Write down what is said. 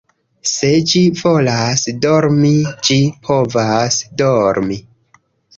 Se ĝi volas dormi, ĝi povas dormi